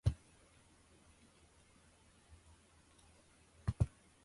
禅智内供の鼻と云えば、池の尾で知らない者はない。